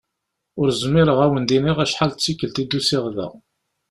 Ur zmireɣ ara ad wen-d-iniɣ acḥal d tikelt i d-usiɣ da.